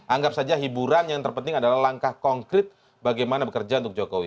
anggap saja hiburan yang terpenting adalah langkah konkret bagaimana bekerja untuk jokowi